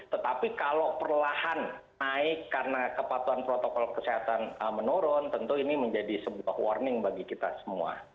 tetapi kalau perlahan naik karena kepatuhan protokol kesehatan menurun tentu ini menjadi sebuah warning bagi kita semua